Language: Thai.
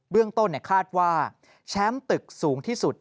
เรื่องต้นคาดว่าแชมป์ตึกสูงที่สุด